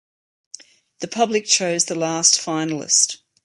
The public choose the last finalist.